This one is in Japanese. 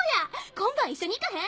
今晩一緒に行かへん？